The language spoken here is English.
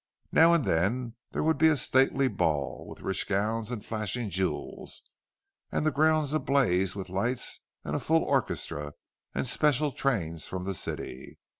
Now and then there would be a stately ball, with rich gowns and flashing jewels, and the grounds ablaze with lights, and a full orchestra, and special trains from the city.